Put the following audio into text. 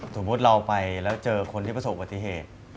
สมมุติเราไปแล้วเจอคนที่ประสบปฏิเหตุ